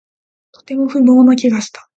とても不毛な気がした